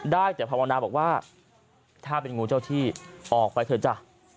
ได้แต่ภาวนาบอกว่าถ้าเป็นงูเจ้าที่ออกไปเถอะจ้ะ